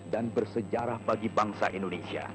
dan bersejarah bagi bangsa indonesia